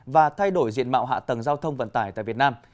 và thay đổi diện mạo hạ tầng giao thông vận tải tại việt nam